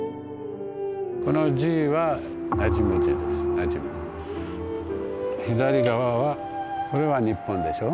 この字は左側はこれは日本でしょう。